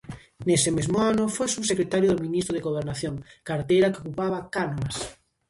Nese mesmo ano foi subsecretario do ministro de Gobernación, carteira que ocupaba Cánovas.